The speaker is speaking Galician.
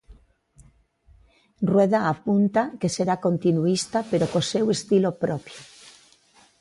Rueda apunta que será continuísta pero co seu estilo propio.